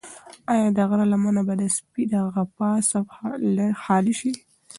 ایا د غره لمنه به د سپي له غپا څخه خالي شي؟